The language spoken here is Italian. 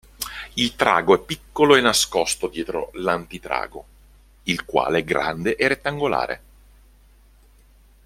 Il trago è piccolo e nascosto dietro l'antitrago, il quale è grande e rettangolare.